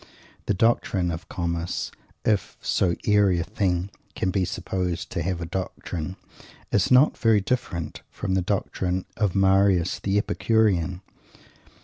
The doctrine of Comus if so airy a thing can be supposed to have a doctrine is not very different from the doctrine of Marius the Epicurean.